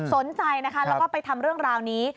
สนใจนะคะแล้วก็ไปทำเรื่องราวนี้